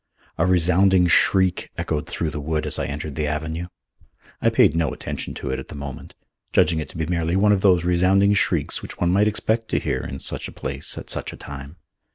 A resounding shriek echoed through the wood as I entered the avenue. I paid no attention to it at the moment, judging it to be merely one of those resounding shrieks which one might expect to hear in such a place at such a time.